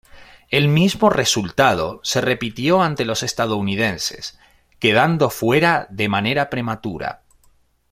El mismo resultado se repitió ante los estadounidenses, quedando fuera de manera prematura.